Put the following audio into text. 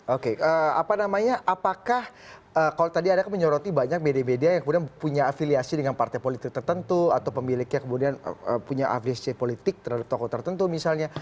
oke apa namanya apakah kalau tadi anda menyoroti banyak media media yang kemudian punya afiliasi dengan partai politik tertentu atau pemiliknya kemudian punya afiliasi politik terhadap tokoh tertentu misalnya